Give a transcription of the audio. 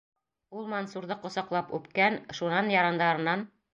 Ул Мансурҙы ҡосаҡлап үпкән, шунан ярандарынан: